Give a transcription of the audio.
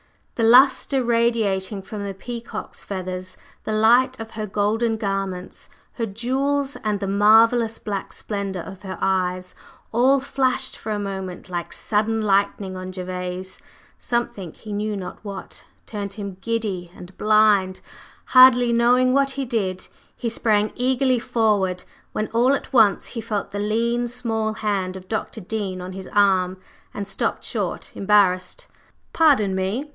The lustre radiating from the peacock's feathers, the light of her golden garments, her jewels and the marvellous black splendor of her eyes, all flashed for a moment like sudden lightning on Gervase; something he knew not what turned him giddy and blind; hardly knowing what he did, he sprang eagerly forward, when all at once he felt the lean, small hand of Dr. Dean on his arm and stopped short embarrassed. "Pardon me!"